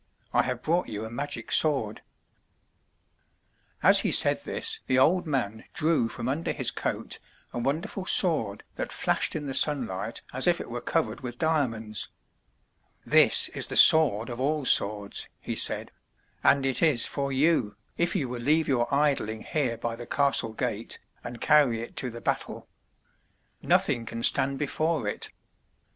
I have brought you a magic sword/* As he said this, the old man drew from under his coat a won derful sword that flashed in the sunlight as if it were covered with diamonds. *'This is the sword of all swords,'' he said, *'and it is for you, if you will leave your idling here by the castle gate, and carry it to the battle. Nothing can stand before it.